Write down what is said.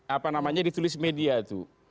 apa namanya ditulis media itu